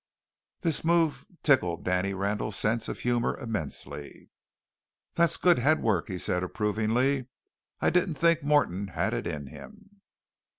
This move tickled Danny Randall's sense of humour immensely. "That's good head work," he said approvingly. "I didn't think Morton had it in him."